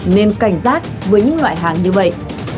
nên cảnh giác với những loại hàng như vậy